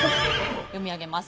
読み上げます。